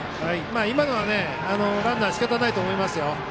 今のはランナー仕方ないと思いますよ。